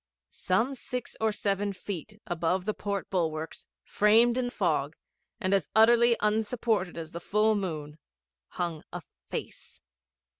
Some six or seven feet above the port bulwarks, framed in fog, and as utterly unsupported as the full moon, hung a Face.